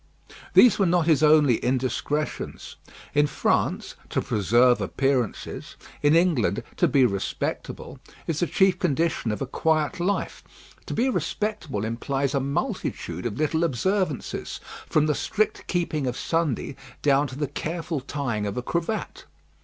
These were not his only indiscretions. In France "to preserve appearances," in England "to be respectable," is the chief condition of a quiet life. To be respectable implies a multitude of little observances, from the strict keeping of Sunday down to the careful tying of a cravat.